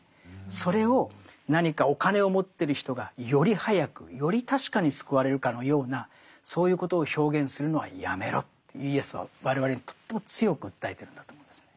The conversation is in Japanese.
それを何かお金を持ってる人がより早くより確かに救われるかのようなそういうことを表現するのはやめろってイエスは我々にとっても強く訴えてるんだと思うんですね。